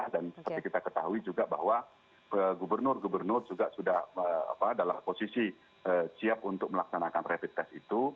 dan seperti kita ketahui juga bahwa gubernur gubernur juga sudah adalah posisi siap untuk melaksanakan rapid test itu